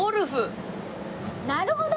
なるほど！